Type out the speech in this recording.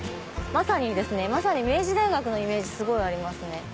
まさに明治大学のイメージすごいありますね。